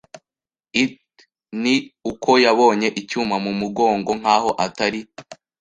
“Itt” ni uko yabonye. Icyuma mumugongo nkaho atari.